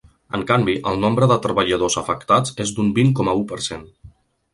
En canvi, el nombre de treballadors afectats és d’un vint coma u per cent.